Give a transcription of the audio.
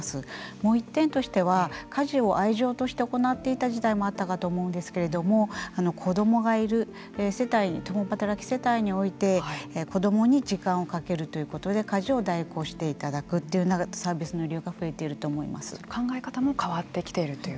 もう１点としては家事を愛情として行っていた時代もあったかと思うんですけれども子どもがいる世帯共働き世帯において子どもに時間をかけるということで家事を代行していただくというサービスの理由が考え方も変わってきているという。